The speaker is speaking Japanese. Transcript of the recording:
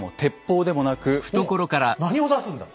何を出すんだ？